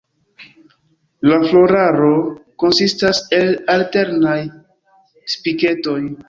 La floraro konsistas el alternaj spiketoj.